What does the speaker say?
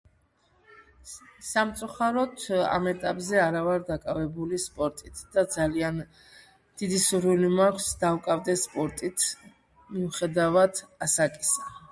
სამწუხაროდ ამ ეტაპზე არ ვარ დაკავებული სპორტით ძალიან დიდი სურვილი მაქვს დააკავეს სპორტით მიუხედავად დიდი ასაკისა